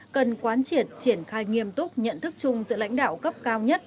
cần quán triệt triển khai nghiêm túc nhận thức chung giữa lãnh đạo cấp cao nhất